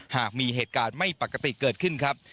หากมีเหตุการณ์ไม่ปกติเกิดขึ้นครับ